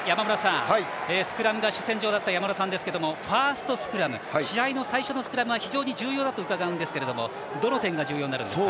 スクラムが主戦場だった山村さんですがファーストスクラム試合の最初のスクラムは非常に重要だと伺いますがどの点が重要になるんですか。